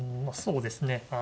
そうですね。